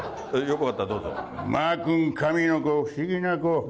マー君神の子、不思議な子。